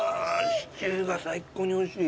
シチューが最高においしい。